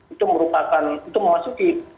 itu merupakan itu memasuki